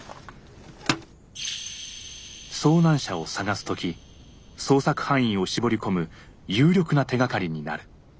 遭難者を捜す時捜索範囲を絞り込む有力な手がかりになる。